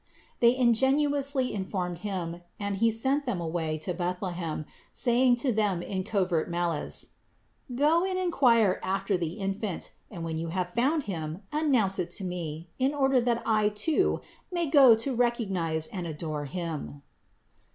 They ingenuously informed him, and he sent them away to Bethlehem, saying to them in covert malice : "Go and inquire after the Infant, and when you have found Him, announce it to me, in order that I, too, 472 CITY OF GOD may go to recognize and adore Him."